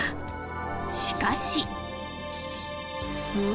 ［しかし］